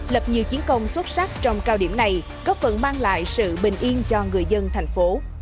lập nhiều chiến công xuất sắc trong cao điểm này có phần mang lại sự bình yên cho người dân tp hcm